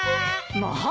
まあ。